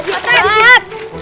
biasa aja awur